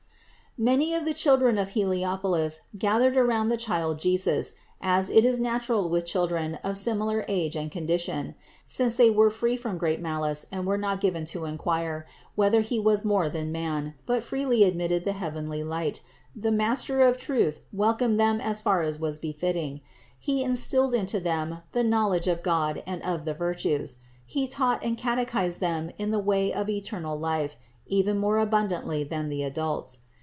697. Many of the children of Heliopolis gathered around the Child Jesus, as it is natural with children of similar age and condition. Since they were free from great malice and were not given to inquire, whether He 596 CITY OF GOD was more than man, but freely admitted the heavenly light, the Master of truth welcomed them as far as was befitting. He instilled into them the knowledge of God and of the virtues; He taught and catechised them in the way of eternal life, even more abundantly than the adults.